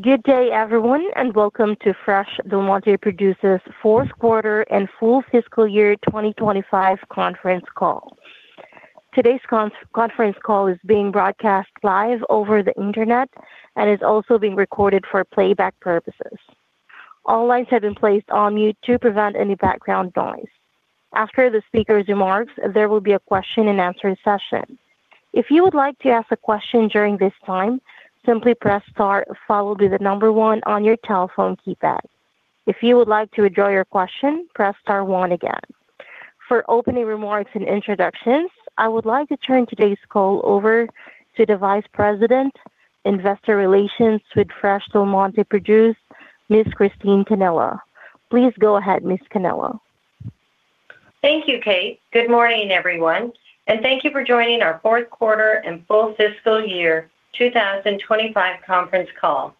Good day, everyone, and welcome to Fresh Del Monte Produce's Fourth Quarter and Full Fiscal Year 2025 Conference Call. Today's conference call is being broadcast live over the internet and is also being recorded for playback purposes. All lines have been placed on mute to prevent any background noise. After the speaker's remarks, there will be a question-and-answer session. If you would like to ask a question during this time, simply press star, followed by the number one on your telephone keypad. If you would like to withdraw your question, press star one again. For opening remarks and introductions, I would like to turn today's call over to the Vice President, Investor Relations with Fresh Del Monte Produce, Ms. Christine Cannella. Please go ahead, Ms. Cannella. Thank you, Kate. Good morning, everyone, and thank you for joining our fourth quarter and full fiscal year 2025 conference call.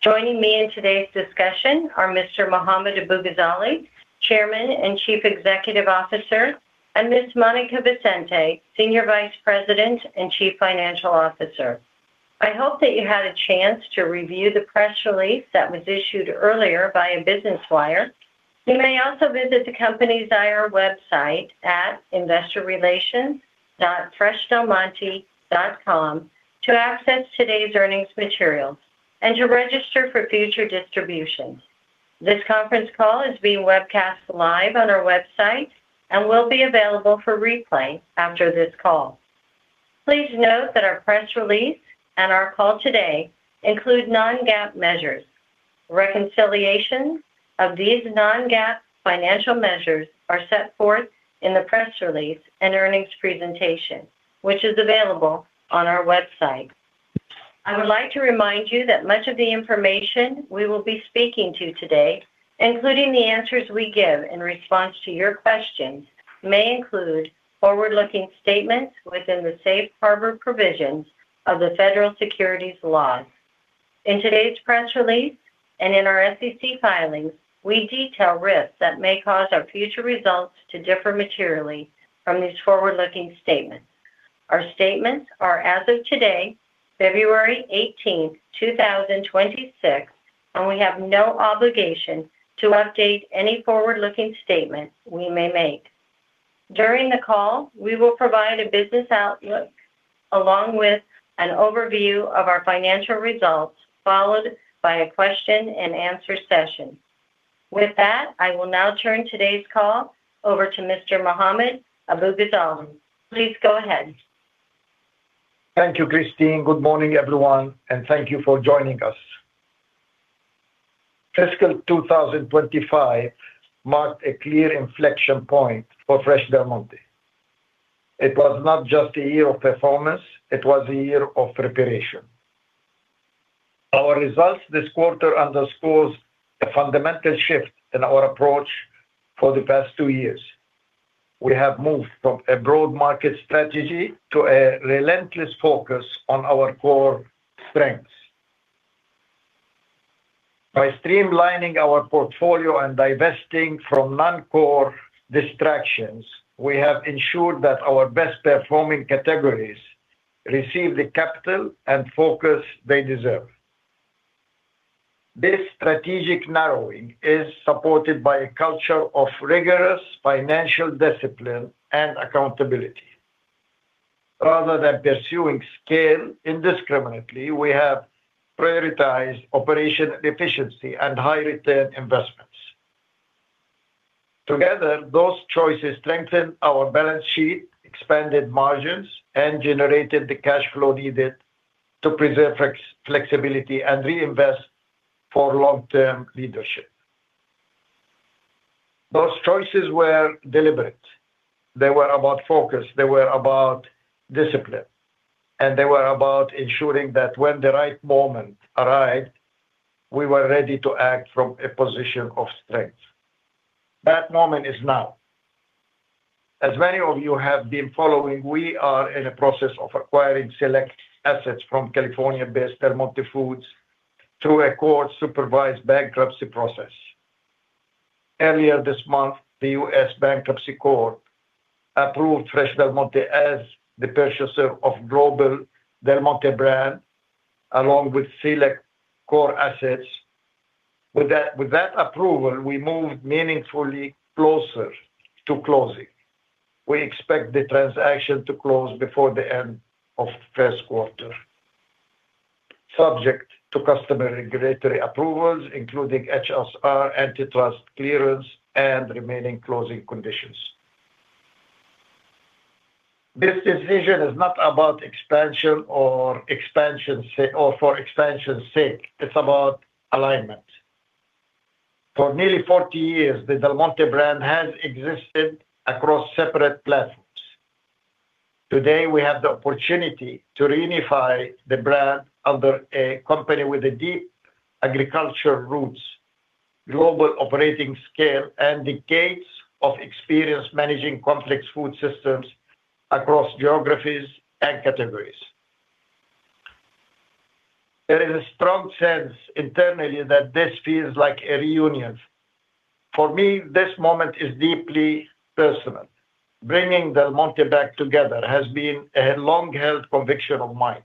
Joining me in today's discussion are Mr. Mohammad Abu-Ghazaleh, Chairman and Chief Executive Officer, and Ms. Monica Vicente, Senior Vice President and Chief Financial Officer. I hope that you had a chance to review the press release that was issued earlier by Business Wire. You may also visit the company's IR website at investorrelations.freshdelmonte.com to access today's earnings materials and to register for future distributions. This conference call is being webcast live on our website and will be available for replay after this call. Please note that our press release and our call today include non-GAAP measures. Reconciliation of these non-GAAP financial measures are set forth in the press release and earnings presentation, which is available on our website. I would like to remind you that much of the information we will be speaking to today, including the answers we give in response to your questions, may include forward-looking statements within the Safe Harbor Provisions of the Federal Securities Laws. In today's press release and in our SEC filings, we detail risks that may cause our future results to differ materially from these forward-looking statements. Our statements are as of today, February 18, 2026, and we have no obligation to update any forward-looking statements we may make. During the call, we will provide a business outlook, along with an overview of our financial results, followed by a question-and-answer session. With that, I will now turn today's call over to Mr. Mohammad Abu-Ghazaleh. Please go ahead. Thank you, Christine. Good morning, everyone, and thank you for joining us. Fiscal 2025 marked a clear inflection point for Fresh Del Monte. It was not just a year of performance, it was a year of preparation. Our results this quarter underscores a fundamental shift in our approach for the past two years. We have moved from a broad market strategy to a relentless focus on our core strengths. By streamlining our portfolio and divesting from non-core distractions, we have ensured that our best-performing categories receive the capital and focus they deserve. This strategic narrowing is supported by a culture of rigorous financial discipline and accountability. Rather than pursuing scale indiscriminately, we have prioritized operational efficiency and high-return investments. Together, those choices strengthened our balance sheet, expanded margins, and generated the cash flow needed to preserve flexibility and reinvest for long-term leadership. Those choices were deliberate. They were about focus, they were about discipline, and they were about ensuring that when the right moment arrived, we were ready to act from a position of strength. That moment is now. As many of you have been following, we are in a process of acquiring select assets from California-based Del Monte Foods through a court-supervised bankruptcy process. Earlier this month, the U.S. Bankruptcy Court approved Fresh Del Monte as the purchaser of global Del Monte brand, along with select core assets. With that, with that approval, we moved meaningfully closer to closing. We expect the transaction to close before the end of the first quarter, subject to customary regulatory approvals, including HSR, antitrust clearance, and remaining closing conditions. This decision is not about expansion or for expansion sake, it's about alignment. For nearly 40 years, the Del Monte brand has existed across separate platforms. Today, we have the opportunity to reunify the brand under a company with a deep agricultural roots, global operating scale, and decades of experience managing complex food systems across geographies and categories. There is a strong sense internally that this feels like a reunion. For me, this moment is deeply personal. Bringing Del Monte back together has been a long-held conviction of mine,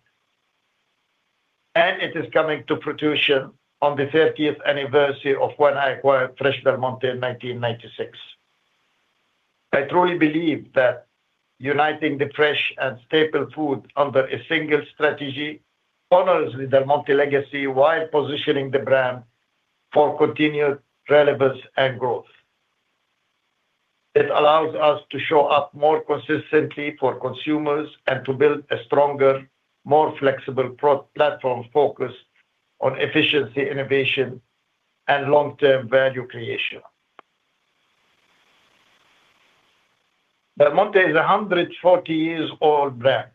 and it is coming to fruition on the 30th anniversary of when I acquired Fresh Del Monte in 1996. I truly believe that uniting the fresh and staple food under a single strategy honors the Del Monte legacy, while positioning the brand for continued relevance and growth. It allows us to show up more consistently for consumers and to build a stronger, more flexible pro- platform focused on efficiency, innovation, and long-term value creation. Del Monte is a 140-year-old brand,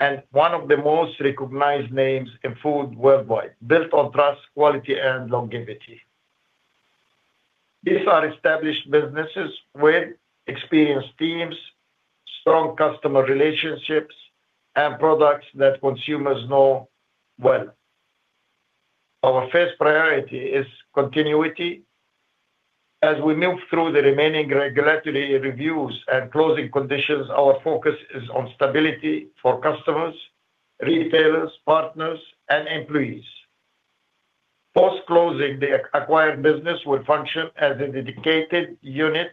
and one of the most recognized names in food worldwide, built on trust, quality, and longevity. These are established businesses with experienced teams, strong customer relationships, and products that consumers know well. Our first priority is continuity. As we move through the remaining regulatory reviews and closing conditions, our focus is on stability for customers, retailers, partners, and employees. Post-closing, the acquired business will function as a dedicated unit,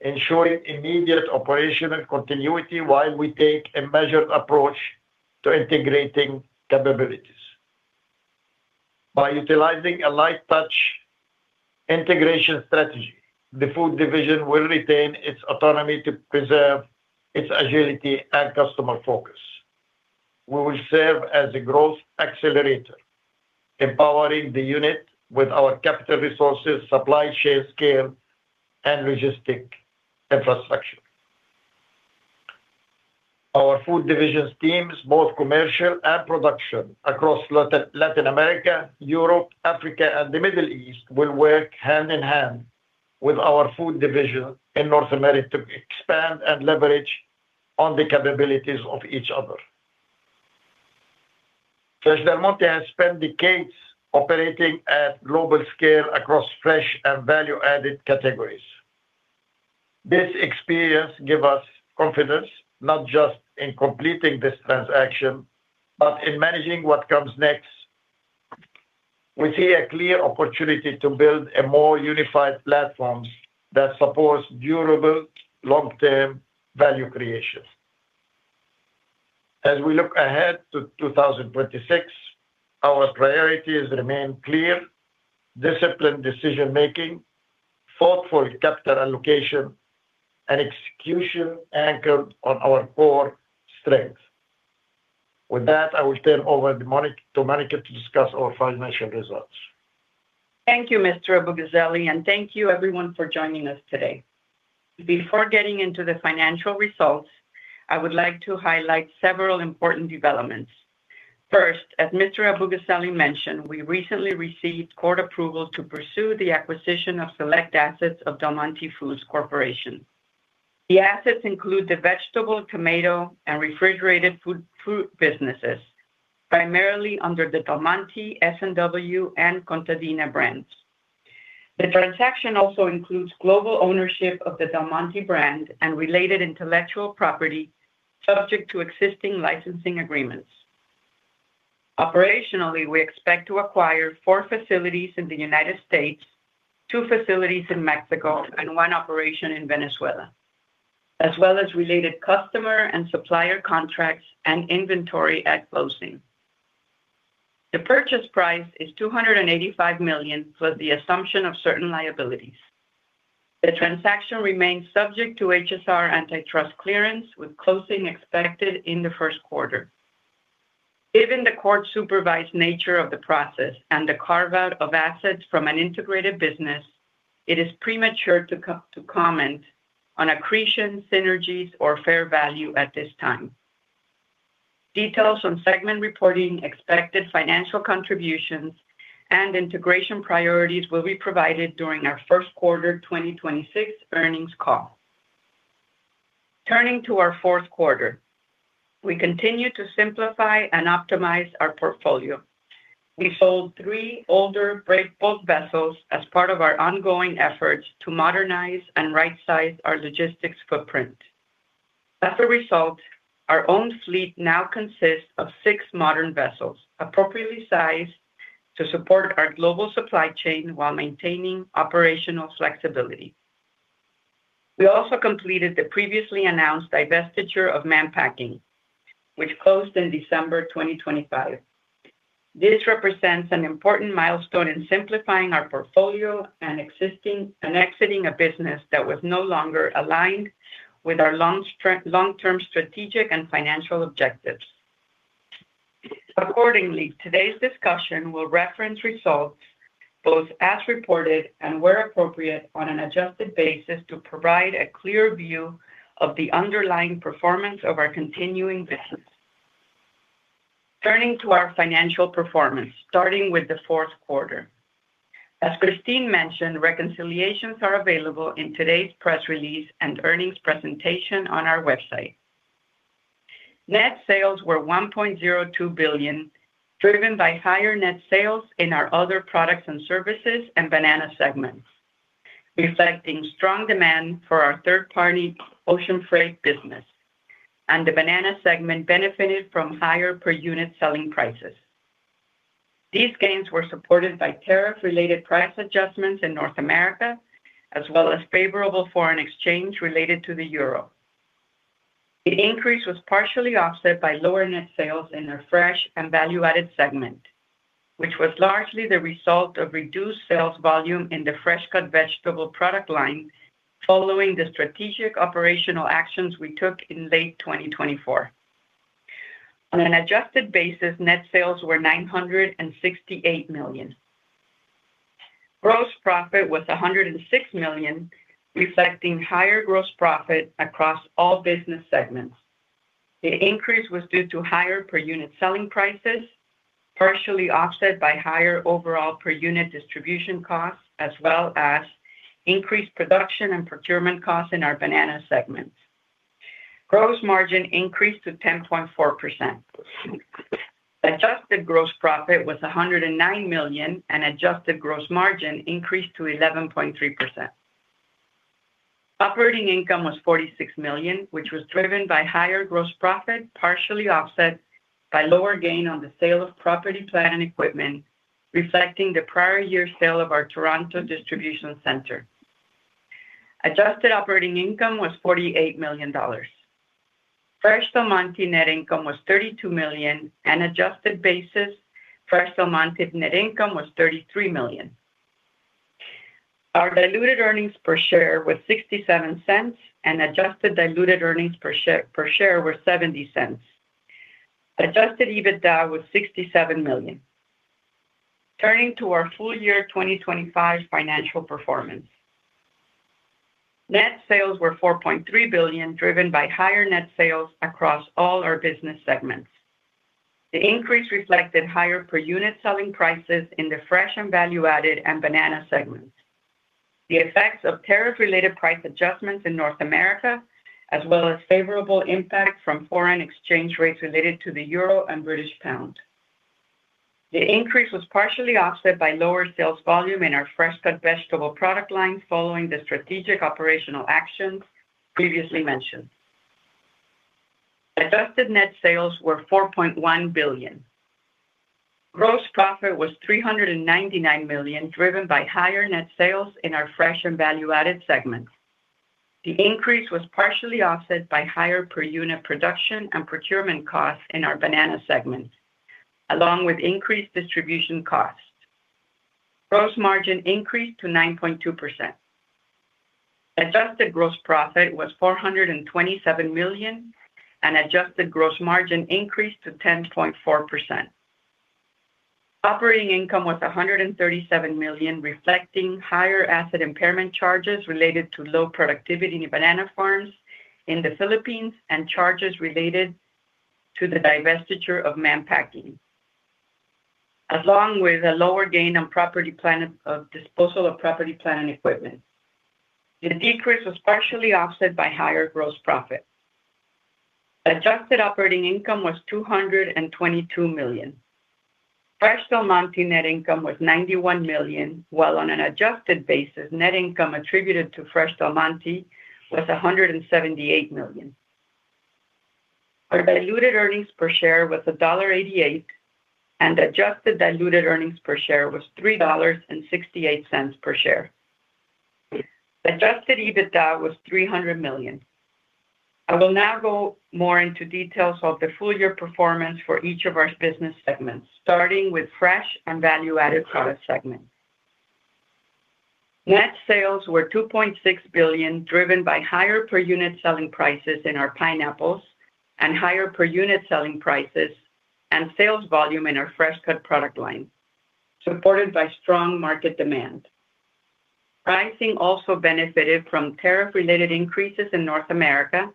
ensuring immediate operational continuity while we take a measured approach to integrating capabilities. By utilizing a light touch integration strategy, the food division will retain its autonomy to preserve its agility and customer focus. We will serve as a growth accelerator, empowering the unit with our capital resources, supply chain scale, and logistic infrastructure. Our food divisions teams, both commercial and production, across Latin America, Europe, Africa, and the Middle East, will work hand in hand with our Food Division in North America to expand and leverage on the capabilities of each other. Fresh Del Monte has spent decades operating at global scale across fresh and value-added categories. This experience give us confidence, not just in completing this transaction, but in managing what comes next. We see a clear opportunity to build a more unified platform that supports durable, long-term value creation. As we look ahead to 2026, our priorities remain clear: disciplined decision-making, thoughtful capital allocation, and execution anchored on our core strengths. With that, I will turn over to Monica to discuss our financial results. Thank you, Mr. Abu-Ghazaleh, and thank you everyone for joining us today. Before getting into the financial results, I would like to highlight several important developments. First, as Mr. Abu-Ghazaleh mentioned, we recently received court approval to pursue the acquisition of select assets of Del Monte Foods Corporation. The assets include the vegetable, tomato, and refrigerated food fruit businesses, primarily under the Del Monte, S&W, and Contadina brands. The transaction also includes global ownership of the Del Monte brand and related intellectual property, subject to existing licensing agreements. Operationally, we expect to acquire four facilities in the United States, two facilities in Mexico, and one operation in Venezuela, as well as related customer and supplier contracts and inventory at closing. The purchase price is $285 million, plus the assumption of certain liabilities. The transaction remains subject to HSR antitrust clearance, with closing expected in the first quarter. Given the court-supervised nature of the process and the carve-out of assets from an integrated business, it is premature to comment on accretion, synergies, or fair value at this time. Details on segment reporting, expected financial contributions, and integration priorities will be provided during our first quarter 2026 earnings call. Turning to our fourth quarter, we continue to simplify and optimize our portfolio. We sold three older break bulk vessels as part of our ongoing efforts to modernize and right-size our logistics footprint. As a result, our own fleet now consists of six modern vessels, appropriately sized to support our global supply chain while maintaining operational flexibility. We also completed the previously announced divestiture of Mann Packing, which closed in December 2025. This represents an important milestone in simplifying our portfolio and exiting a business that was no longer aligned with our long-term strategic and financial objectives. Accordingly, today's discussion will reference results both as reported and, where appropriate, on an adjusted basis to provide a clear view of the underlying performance of our continuing business. Turning to our financial performance, starting with the fourth quarter. As Christine mentioned, reconciliations are available in today's press release and earnings presentation on our website. Net sales were $1.02 billion, driven by higher net sales in our other products and services and banana segments, reflecting strong demand for our third-party ocean freight business, and the banana segment benefited from higher per unit selling prices. These gains were supported by tariff-related price adjustments in North America, as well as favorable foreign exchange related to the euro. The increase was partially offset by lower net sales in our fresh and value-added segment, which was largely the result of reduced sales volume in the Fresh Cut vegetable product line, following the strategic operational actions we took in late 2024. On an adjusted basis, net sales were $968 million. Gross profit was $106 million, reflecting higher gross profit across all business segments. The increase was due to higher per unit selling prices, partially offset by higher overall per unit distribution costs, as well as increased production and procurement costs in our banana segments. Gross margin increased to 10.4%. Adjusted gross profit was $109 million, and adjusted gross margin increased to 11.3%. Operating income was $46 million, which was driven by higher gross profit, partially offset by lower gain on the sale of property, plant, and equipment, reflecting the prior year's sale of our Toronto Distribution Center. Adjusted operating income was $48 million. Fresh Del Monte net income was $32 million, and adjusted basis, Fresh Del Monte net income was $33 million. Our diluted earnings per share was $0.67, and adjusted diluted earnings per share, per share were $0.70. Adjusted EBITDA was $67 million. Turning to our full year 2025 financial performance. Net sales were $4.3 billion, driven by higher net sales across all our business segments. The increase reflected higher per unit selling prices in the fresh and value-added and banana segments. The effects of tariff-related price adjustments in North America, as well as favorable impact from foreign exchange rates related to the euro and British pound. The increase was partially offset by lower sales volume in our Fresh Cut vegetable product line, following the strategic operational actions previously mentioned. Adjusted net sales were $4.1 billion. Gross profit was $399 million, driven by higher net sales in our fresh and value-added segments. The increase was partially offset by higher per unit production and procurement costs in our banana segment, along with increased distribution costs. Gross margin increased to 9.2%. Adjusted gross profit was $427 million, and adjusted gross margin increased to 10.4%. Operating income was $137 million, reflecting higher asset impairment charges related to low productivity in banana farms in the Philippines, and charges related to the divestiture of Mann Packing, along with a lower gain on property plant, of disposal of property plant, and equipment. The decrease was partially offset by higher gross profit. Adjusted operating income was $222 million. Fresh Del Monte net income was $91 million, while on an adjusted basis, net income attributed to Fresh Del Monte was $178 million. Our diluted earnings per share was $1.88, and adjusted diluted earnings per share was $3.68 per share. Adjusted EBITDA was $300 million. I will now go more into details of the full year performance for each of our business segments, starting with fresh and value-added product segment. Net sales were $2.6 billion, driven by higher per unit selling prices in our pineapples and higher per unit selling prices and sales volume in our Fresh Cut product line, supported by strong market demand. Pricing also benefited from tariff-related increases in North America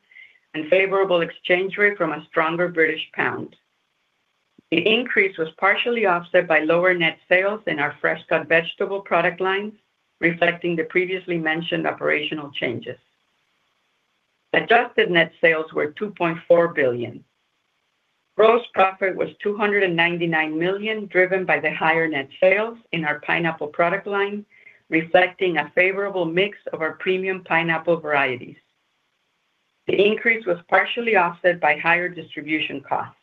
and favorable exchange rate from a stronger British pound. The increase was partially offset by lower net sales in our Fresh Cut vegetable product lines, reflecting the previously mentioned operational changes. Adjusted net sales were $2.4 billion. Gross profit was $299 million, driven by the higher net sales in our pineapple product line, reflecting a favorable mix of our premium pineapple varieties. The increase was partially offset by higher distribution costs.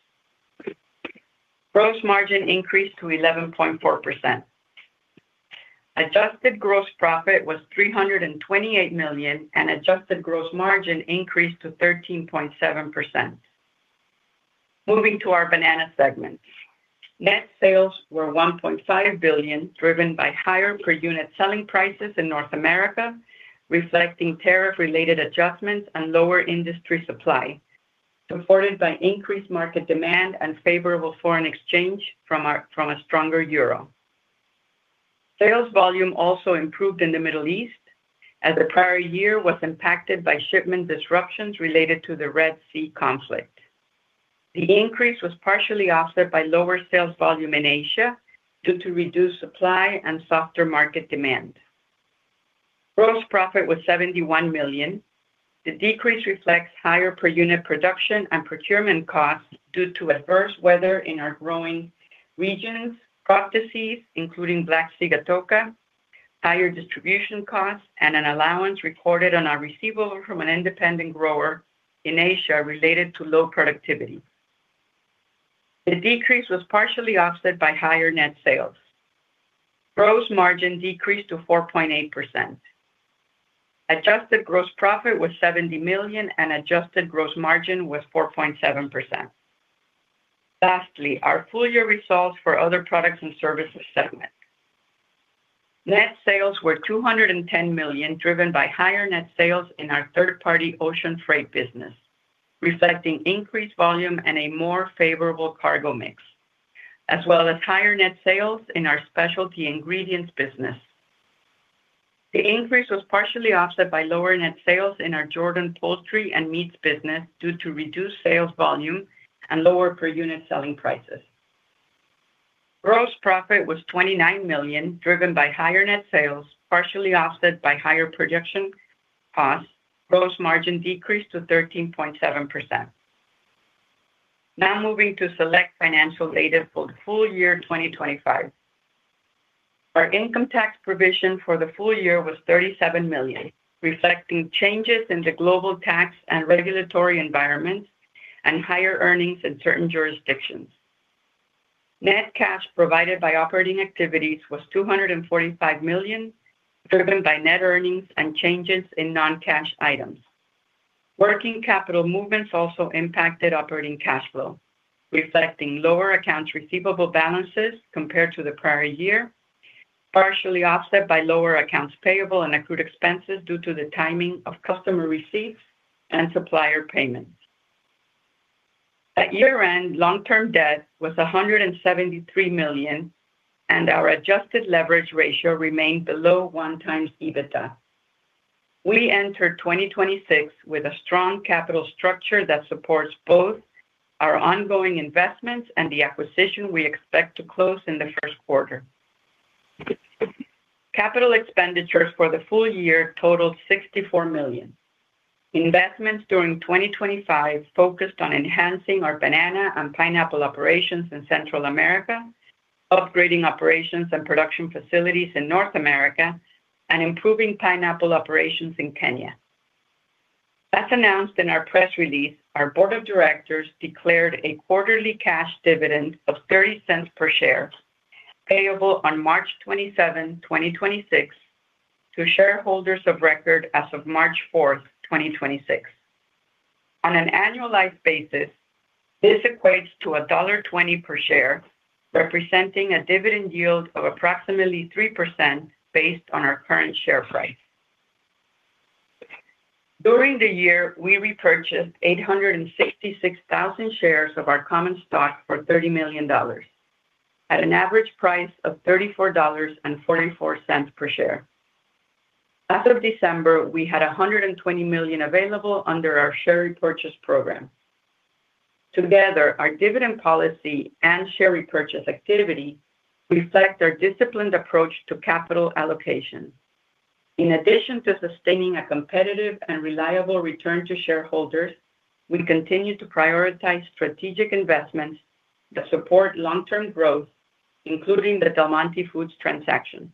Gross margin increased to 11.4%. Adjusted gross profit was $328 million, and adjusted gross margin increased to 13.7%. Moving to our banana segment. Net sales were $1.5 billion, driven by higher per unit selling prices in North America, reflecting tariff-related adjustments and lower industry supply, supported by increased market demand and favorable foreign exchange from a stronger euro. Sales volume also improved in the Middle East, as the prior year was impacted by shipment disruptions related to the Red Sea conflict. The increase was partially offset by lower sales volume in Asia due to reduced supply and softer market demand. Gross profit was $71 million. The decrease reflects higher per unit production and procurement costs due to adverse weather in our growing regions, crop disease, including Black Sigatoka, higher distribution costs, and an allowance recorded on our receivable from an independent grower in Asia related to low productivity. The decrease was partially offset by higher net sales. Gross margin decreased to 4.8%. Adjusted gross profit was $70 million, and adjusted gross margin was 4.7%. Lastly, our full year results for other products and services segment. Net sales were $210 million, driven by higher net sales in our third-party ocean freight business, reflecting increased volume and a more favorable cargo mix, as well as higher net sales in our specialty ingredients business. The increase was partially offset by lower net sales in our Jordan poultry and meats business due to reduced sales volume and lower per unit selling prices. Gross profit was $29 million, driven by higher net sales, partially offset by higher production costs. Gross margin decreased to 13.7%. Now moving to select financial data for the full year 2025. Our income tax provision for the full year was $37 million, reflecting changes in the global tax and regulatory environments and higher earnings in certain jurisdictions. Net cash provided by operating activities was $245 million, driven by net earnings and changes in non-cash items. Working capital movements also impacted operating cash flow, reflecting lower accounts receivable balances compared to the prior year, partially offset by lower accounts payable and accrued expenses due to the timing of customer receipts and supplier payments. At year-end, long-term debt was $173 million, and our adjusted leverage ratio remained below 1x EBITDA. We entered 2026 with a strong capital structure that supports both our ongoing investments and the acquisition we expect to close in the first quarter. Capital expenditures for the full year totaled $64 million. Investments during 2025 focused on enhancing our banana and pineapple operations in Central America, upgrading operations and production facilities in North America, and improving pineapple operations in Kenya. As announced in our press release, our board of directors declared a quarterly cash dividend of $0.30 per share, payable on March 27, 2026, to shareholders of record as of March 4, 2026. On an annualized basis, this equates to $1.20 per share, representing a dividend yield of approximately 3% based on our current share price. During the year, we repurchased 866,000 shares of our common stock for $30 million, at an average price of $34.44 per share. As of December, we had $120 million available under our share repurchase program. Together, our dividend policy and share repurchase activity reflect our disciplined approach to capital allocation. In addition to sustaining a competitive and reliable return to shareholders, we continue to prioritize strategic investments that support long-term growth, including the Del Monte Foods transaction.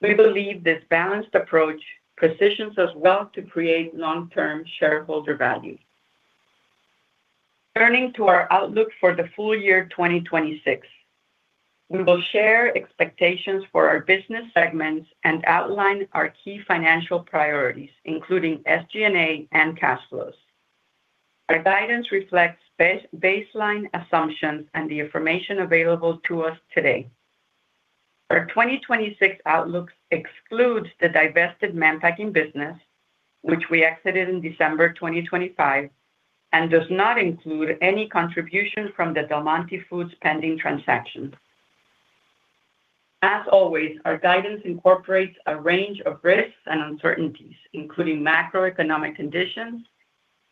We believe this balanced approach positions us well to create long-term shareholder value. Turning to our outlook for the full year 2026, we will share expectations for our business segments and outline our key financial priorities, including SG&A and cash flows. Our guidance reflects baseline assumptions and the information available to us today. Our 2026 outlook excludes the divested Mann Packing business, which we exited in December 2025, and does not include any contribution from the Del Monte Foods pending transaction. As always, our guidance incorporates a range of risks and uncertainties, including macroeconomic conditions,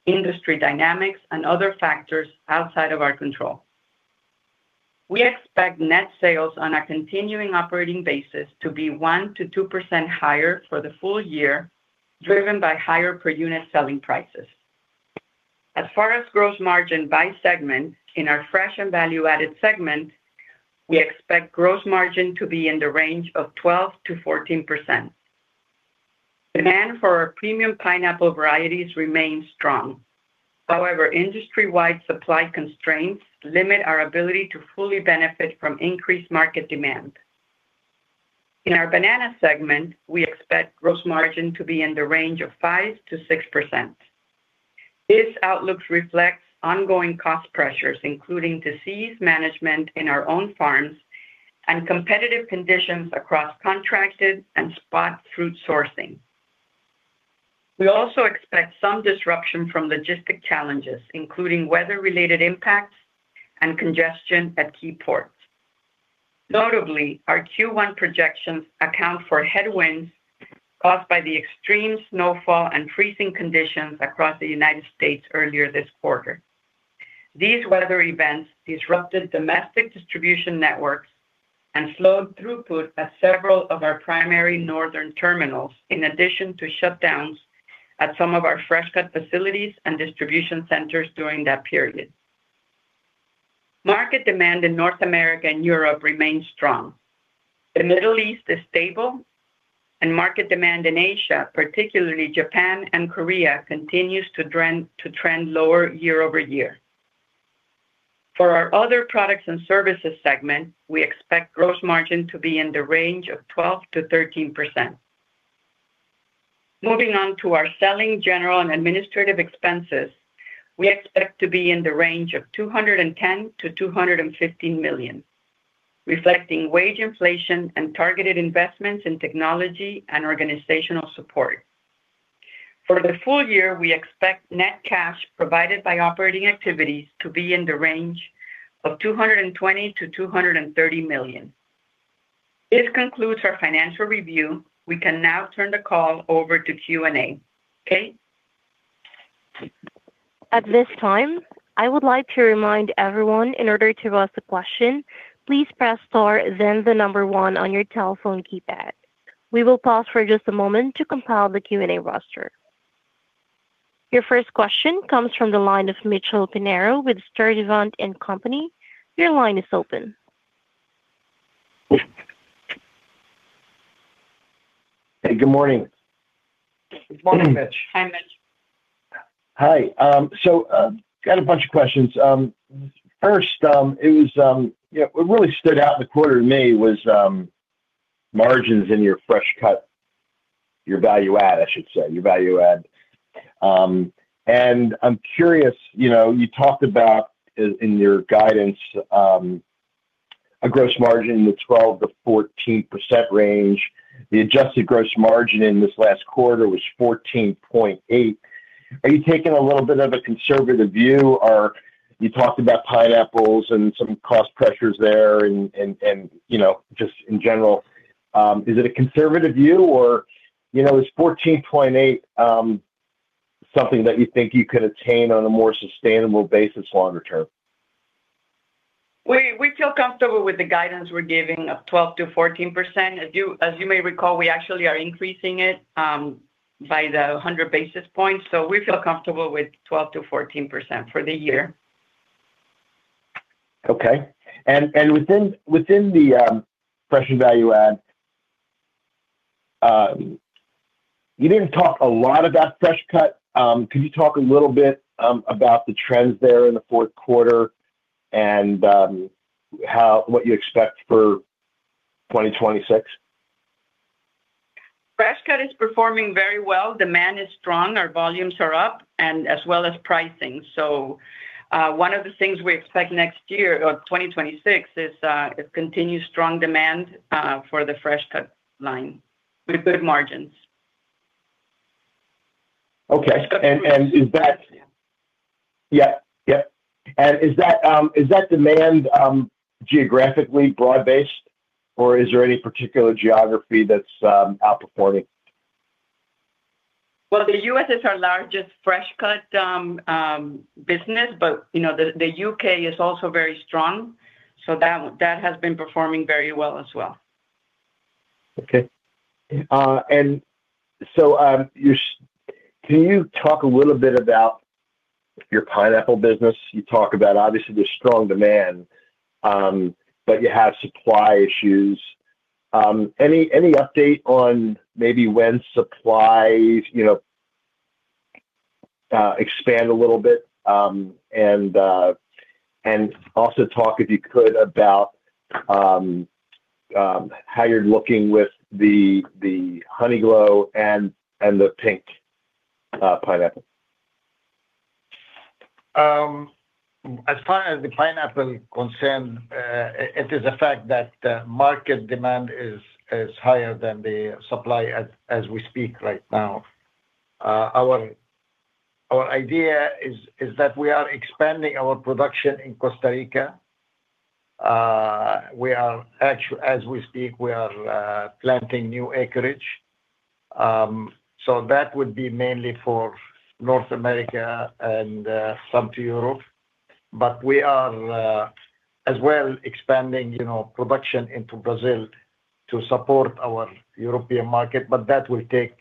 industry dynamics, and other factors outside of our control. We expect net sales on a continuing operating basis to be 1%-2% higher for the full year, driven by higher per unit selling prices. As far as gross margin by segment, in our fresh and value-added segment, we expect gross margin to be in the range of 12%-14%. Demand for our premium pineapple varieties remains strong. However, industry-wide supply constraints limit our ability to fully benefit from increased market demand. In our banana segment, we expect gross margin to be in the range of 5%-6%. This outlook reflects ongoing cost pressures, including disease management in our own farms and competitive conditions across contracted and spot fruit sourcing. We also expect some disruption from logistic challenges, including weather-related impacts and congestion at key ports. Notably, our Q1 projections account for headwinds caused by the extreme snowfall and freezing conditions across the United States earlier this quarter. These weather events disrupted domestic distribution networks and slowed throughput at several of our primary northern terminals, in addition to shutdowns at some of our fresh-cut facilities and distribution centers during that period. Market demand in North America and Europe remains strong. The Middle East is stable, and market demand in Asia, particularly Japan and Korea, continues to trend lower year-over-year. For our other products and services segment, we expect gross margin to be in the range of 12%-13%. Moving on to our selling, general and administrative expenses, we expect to be in the range of $210 million-$215 million, reflecting wage inflation and targeted investments in technology and organizational support. For the full year, we expect net cash provided by operating activities to be in the range of $220 million-$230 million. This concludes our financial review. We can now turn the call over to Q&A. Kate? At this time, I would like to remind everyone, in order to ask a question, please press star then the number one on your telephone keypad. We will pause for just a moment to compile the Q&A roster. Your first question comes from the line of Mitchell Pinheiro with Sturdivant & Co. Your line is open. Hey, good morning. Good morning, Mitchh. Hi, Mitch. Hi. So, got a bunch of questions. First, it was, yeah, what really stood out in the quarter to me was margins in your Fresh Cut, your value add, I should say, your value add. And I'm curious, you know, you talked about in, in your guidance, a gross margin in the 12%-14% range. The adjusted gross margin in this last quarter was 14.8%. Are you taking a little bit of a conservative view? Or you talked about pineapples and some cost pressures there and, and, and, you know, just in general, is it a conservative view, or, you know, is 14.8%, something that you think you could attain on a more sustainable basis longer term? We feel comfortable with the guidance we're giving of 12%-14%. As you may recall, we actually are increasing it by the 100 basis points, so we feel comfortable with 12%-14% for the year. Okay. And within the fresh and value add, you didn't talk a lot about Fresh Cut. Could you talk a little bit about the trends there in the fourth quarter and how—what you expect for 2026? Fresh Cut is performing very well. Demand is strong, our volumes are up and as well as pricing. So, one of the things we expect next year, or 2026, is a continued strong demand for the fresh-cut line with good margins. Okay. And is that- Yeah. Yeah. Yeah. And is that, is that demand, geographically broad-based, or is there any particular geography that's, outperforming? Well, the U.S. is our largest Fresh Cut business, but you know, the U.K. is also very strong, so that has been performing very well as well. Okay. And so, can you talk a little bit about your pineapple business? You talk about obviously there's strong demand, but you have supply issues. Any update on maybe when supplies, you know, expand a little bit, and also talk, if you could, about how you're looking with the Honeyglow and the Pinkglow pineapple? As far as the pineapple concern, it is a fact that the market demand is higher than the supply as we speak right now. Our idea is that we are expanding our production in Costa Rica. We are actually, as we speak, we are planting new acreage. So that would be mainly for North America and some to Europe. But we are as well expanding, you know, production into Brazil to support our European market, but that will take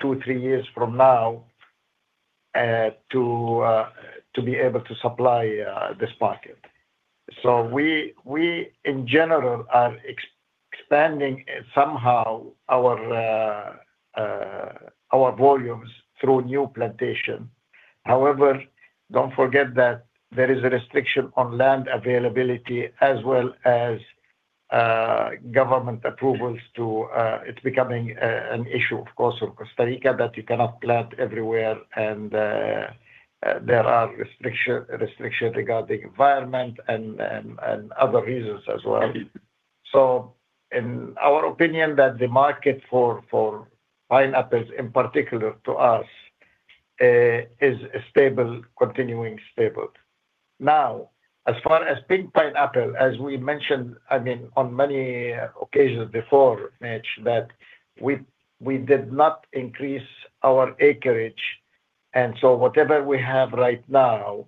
two-three years from now to be able to supply this market. So we in general are expanding somehow our volumes through new plantation. However, don't forget that there is a restriction on land availability as well as government approvals. It's becoming an issue, of course, in Costa Rica, that you cannot plant everywhere, and there are restrictions regarding the environment and other reasons as well. So in our opinion, the market for pineapples, in particular to us, is stable, continuing stable. Now, as far as pink pineapple, as we mentioned, I mean, on many occasions before, Mitch, we did not increase our acreage. And so whatever we have right now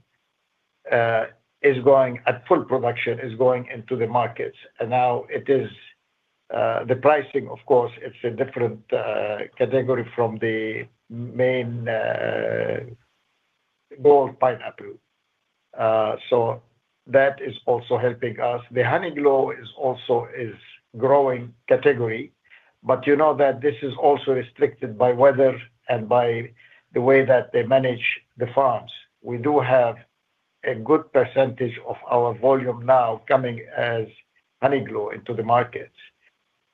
is going at full production, is going into the markets. And now it is the pricing, of course; it's a different category from the main gold pineapple. So that is also helping us. The Honeyglow is also a growing category, but you know that this is also restricted by weather and by the way that they manage the farms. We do have a good percentage of our volume now coming as Honeyglow into the markets,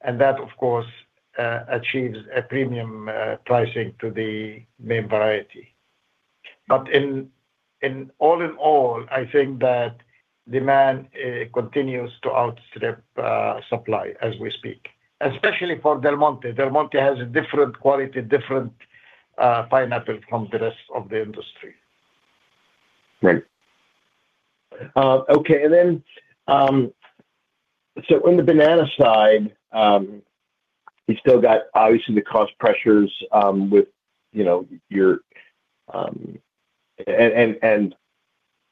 and that, of course, achieves a premium pricing to the main variety. But all in all, I think that demand continues to outstrip supply as we speak, especially for Del Monte. Del Monte has a different quality, different pineapple from the rest of the industry. Right. Okay, and then, so on the banana side, you still got obviously the cost pressures, with, you know, your... And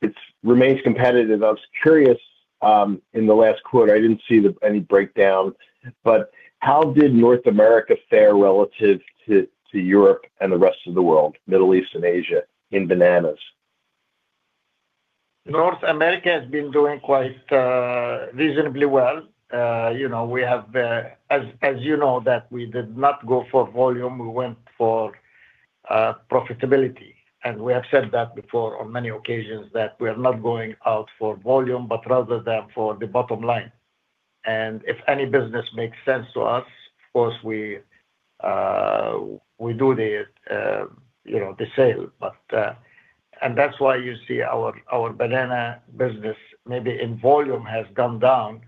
it remains competitive. I was curious, in the last quarter, I didn't see any breakdown, but how did North America fare relative to Europe and the rest of the world, Middle East and Asia, in bananas? North America has been doing quite reasonably well. You know, we have, as, as you know, that we did not go for volume, we went for profitability. And we have said that before on many occasions, that we are not going out for volume, but rather than for the bottom line. And if any business makes sense to us, of course, we do the, you know, the sale. But, and that's why you see our, our banana business, maybe in volume, has gone down,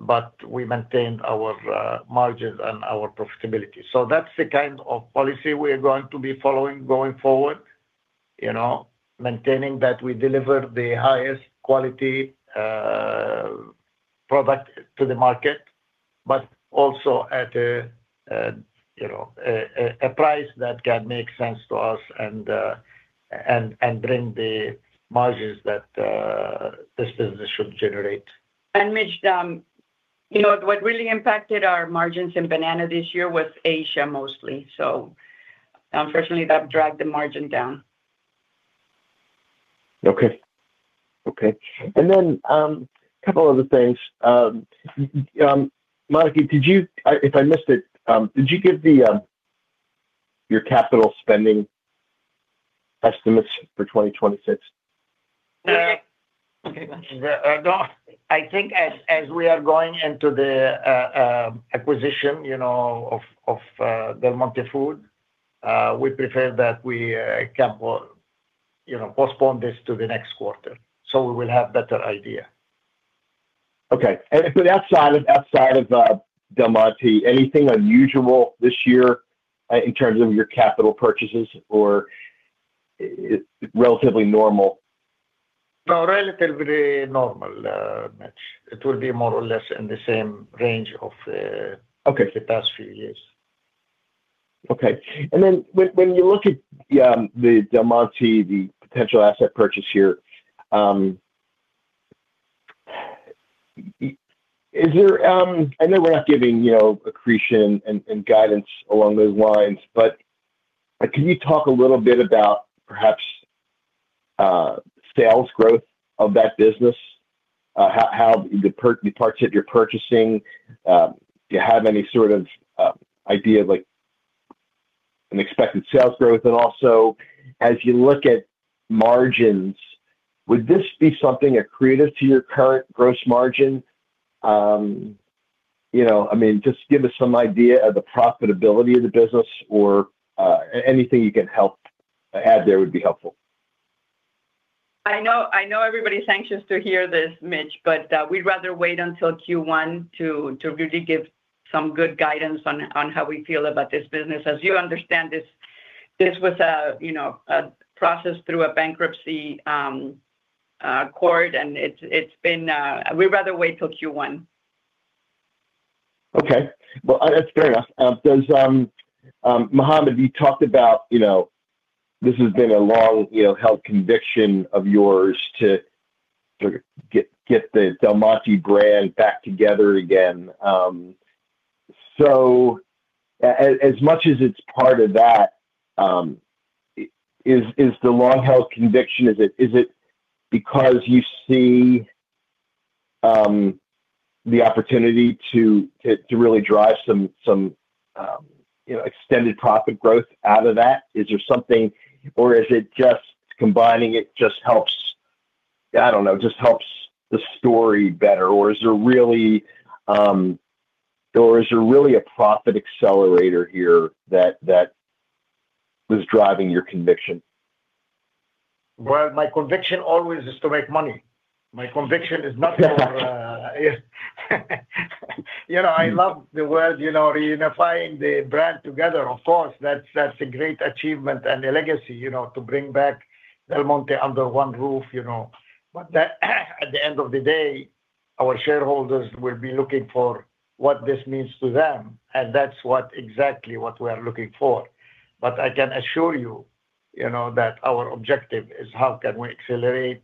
but we maintained our margins and our profitability. So that's the kind of policy we are going to be following going forward. You know, maintaining that we deliver the highest quality product to the market, but also at a you know, price that can make sense to us and bring the margins that this business should generate. Mitch, you know, what really impacted our margins in banana this year was Asia, mostly. So unfortunately, that dragged the margin down. Okay. Okay. And then, a couple other things. Monica, did you... if I missed it, did you give your capital spending estimates for 2026? Uh- Okay, Mitch. No, I think as we are going into the acquisition, you know, of Del Monte Foods, we prefer that we can, you know, postpone this to the next quarter, so we will have better idea. Okay. But outside of Del Monte, anything unusual this year in terms of your capital purchases, or is it relatively normal? No, relatively normal, Mitch. It will be more or less in the same range of, Okay the past few years. Okay. And then when you look at, yeah, the Del Monte, the potential asset purchase here, is there—I know we're not giving, you know, accretion and guidance along those lines, but, can you talk a little bit about perhaps sales growth of that business? How the parts that you're purchasing, do you have any sort of idea of like an expected sales growth? And also, as you look at margins, would this be something accretive to your current gross margin? You know, I mean, just give us some idea of the profitability of the business or anything you can help add there would be helpful. I know, I know everybody's anxious to hear this, Mitch, but we'd rather wait until Q1 to really give some good guidance on how we feel about this business. As you understand, this was a you know, a process through a bankruptcy court, and it's been. We'd rather wait till Q1. Okay. Well, that's fair enough. Does Mohammad, you talked about, you know, this has been a long, you know, held conviction of yours to get the Del Monte brand back together again. So as much as it's part of that, is the long-held conviction, is it, is it because you see the opportunity to really drive some, you know, extended profit growth out of that? Is there something, or is it just combining it just helps, I don't know, just helps the story better? Or is there really a profit accelerator here that was driving your conviction? Well, my conviction always is to make money... My conviction is not over. You know, I love the word, you know, reunifying the brand together. Of course, that's, that's a great achievement and a legacy, you know, to bring back Del Monte under one roof, you know? But at, at the end of the day, our shareholders will be looking for what this means to them, and that's what exactly what we are looking for. But I can assure you, you know, that our objective is how can we accelerate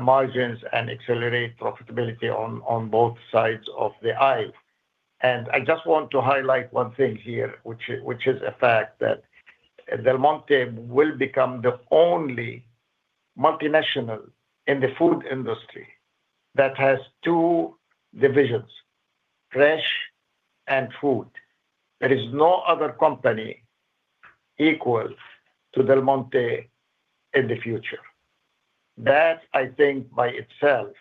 margins and accelerate profitability on, on both sides of the aisle. And I just want to highlight one thing here, which is, which is a fact, that Del Monte will become the only multinational in the food industry that has two divisions, Fresh and Food. There is no other company equal to Del Monte in the future. That, I think, by itself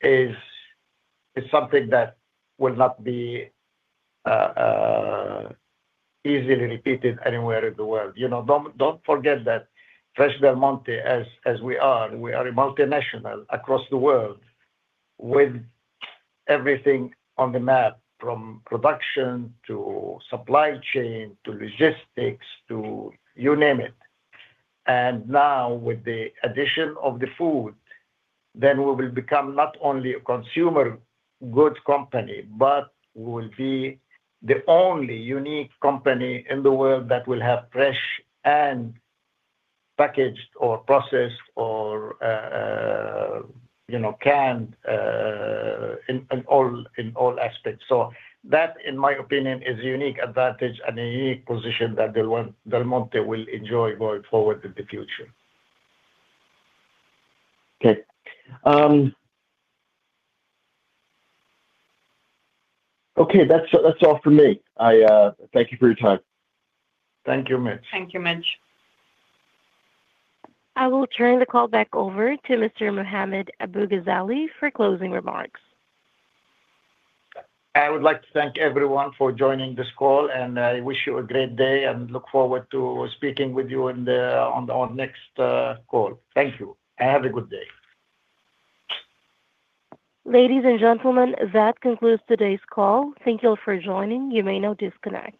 is something that will not be easily repeated anywhere in the world. You know, don't forget that Fresh Del Monte, as we are, we are a multinational across the world with everything on the map, from production to supply chain, to logistics, to you name it. And now with the addition of the food, then we will become not only a consumer goods company, but we will be the only unique company in the world that will have fresh and packaged or processed or, you know, canned, in all aspects. So that, in my opinion, is a unique advantage and a unique position that Del Monte will enjoy going forward in the future. Okay. Okay, that's all for me. I thank you for your time. Thank you, Mitch. Thank you, Mitch. I will turn the call back over to Mr. Mohammad Abu-Ghazaleh for closing remarks. I would like to thank everyone for joining this call, and I wish you a great day and look forward to speaking with you in the on our next call. Thank you, and have a good day. Ladies and gentlemen, that concludes today's call. Thank you all for joining. You may now disconnect.